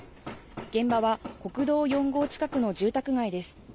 現場は国道４号近くの住宅街です。